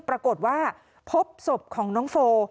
ปรากฏว่าพบศพของน้องโฟ